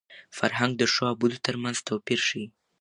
فرهنګ د ښو او بدو تر منځ توپیر ښيي.